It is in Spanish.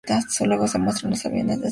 Luego se muestran los aviones despegando.